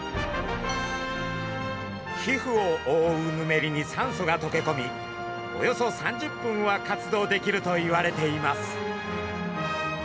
皮膚をおおうヌメリに酸素がとけこみおよそ３０分は活動できるといわれています。